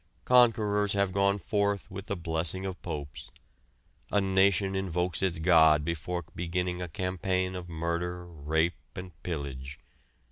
Conquerors have gone forth with the blessing of popes; a nation invokes its God before beginning a campaign of murder, rape and pillage.